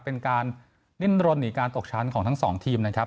เป็นการดิ้นรนหนีการตกชั้นของทั้งสองทีมนะครับ